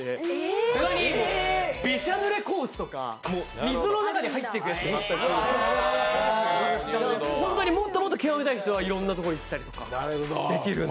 他にびしょ濡れコースとか水の中に入っていくやつとかあったりしてもっともっと極めたい人はいろんなところに行ったりとかできるんで。